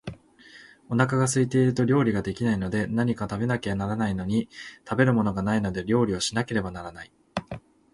お腹が空いていると料理が出来ないので、何か食べなければならないのに、食べるものがないので料理をしなければならない